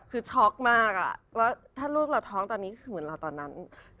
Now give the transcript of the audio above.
คือช็อกมากว่าถ้าลูกเราท้องตอนนี้ก็คือเหมือนเราตอนนั้น